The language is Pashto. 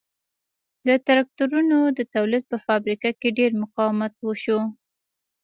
د ترکتورونو د تولید په فابریکه کې ډېر مقاومت وشو